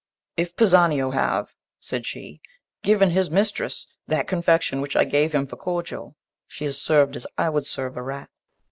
'If Pisanio Have' said she 'given his mistress that confection Which I gave him for cordial, she is serv'd As I would serve a rat.'